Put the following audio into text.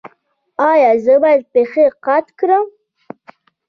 ایا زه باید پښې قات کړم؟